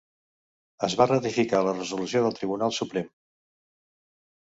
Es va ratificar la resolució del Tribunal Suprem.